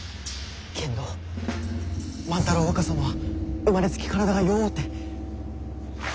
けんど万太郎若様は生まれつき体が弱うて。